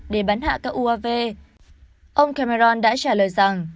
để bắn hạ các uav ông cameron đã trả lời rằng